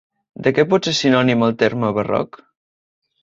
De què pot ser sinònim el terme Barroc?